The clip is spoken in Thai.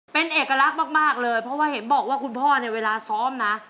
เป็นเอกลักษณ์มากเลยเพราะว่าเห็นบอกว่าคุณพ่อเนี่ยเวลาซ้อมนะ